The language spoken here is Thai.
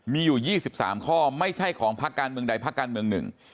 มีอยู่๒๓ข้อไม่ใช่ของพักการเมืองใดพักการเมืองหนึ่ง